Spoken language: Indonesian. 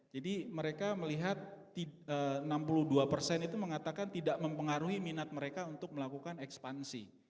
jadi mereka melihat enam puluh dua itu mengatakan tidak mempengaruhi minat mereka untuk melakukan ekspansi